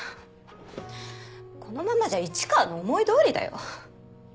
このままじゃ市川の思い通りだよ。